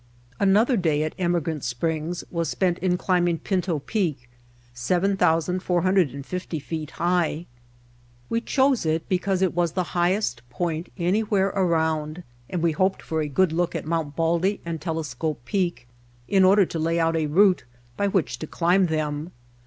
Another day at Emigrant Springs was spent in climbing Pinto Peak, 7,450 feet high. We The Mountain Spring chose it because it was the highest point any where around, and we hoped for a good look at Mt. Baldy and Telescope Peak in order to lay out a route by which to climb them.